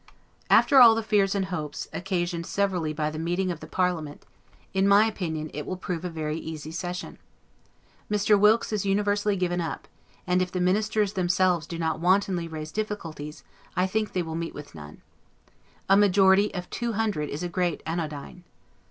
After all the fears and hopes, occasioned severally by the meeting of the parliament, in my opinion, it will prove a very easy session. Mr. Wilkes is universally given up; and if the ministers themselves do not wantonly raise difficulties, I think they will meet with none. A majority of two hundred is a great anodyne.